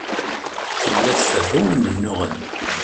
Tella tferru imennuɣen.